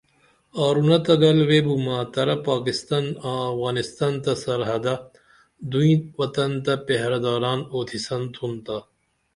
آرونہ تہ گل ویبومہ ترا پاکستان آں افغانستان تہ سرحدہ دونئی وطن تہ پہرہ داران اُوتھی سن تھُن تا